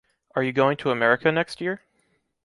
Are you going to America next year?